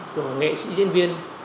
của nghệ sĩ diễn viên